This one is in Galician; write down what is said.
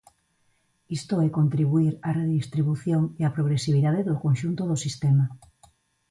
Isto é contribuír á redistribución e á progresividade do conxunto do sistema.